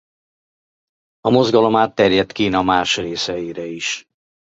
A mozgalom átterjedt Kína más részeire is.